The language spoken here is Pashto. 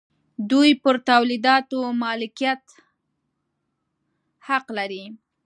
دوی پر تولیداتو مالکیت حق لري.